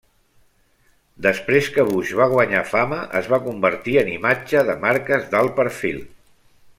Després que Bush va guanyar fama es va convertir en imatge de marques d'alt perfil.